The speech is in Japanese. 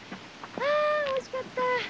あおいしかった。